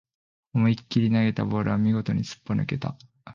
思いっきり投げたボールは見事にすっぽ抜けた